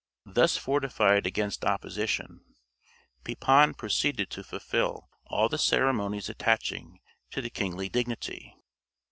Thus fortified against opposition, Pepin proceeded to fulfil all the ceremonies attaching to the kingly dignity.